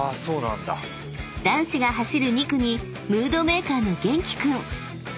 ［男子が走る２区にムードメーカーの］